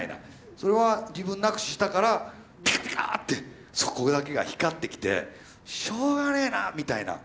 それは「自分なくし」したからピカピカってそこだけが光ってきてしょうがねえなみたいな。